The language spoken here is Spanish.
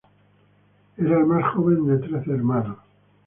Era el más joven de trece hermanos.